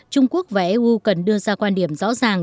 trung quốc và eu cần đưa ra quan điểm rõ ràng